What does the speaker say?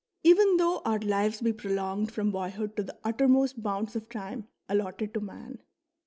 even though our lives be prolonged from boyhood to the uttermost bounds of time allotted to man.